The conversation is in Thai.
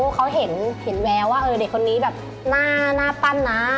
เขาเห็นแววว่าหน้าหน้าปั้นนะ